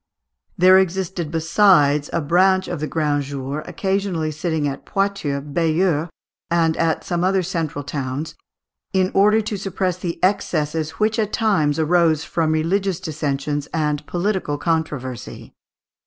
There existed, besides, a branch of the Grands Jours, occasionally sitting at Poitiers, Bayeux, and at some other central towns, in order to suppress the excesses which at times arose from religious dissensions and political controversy.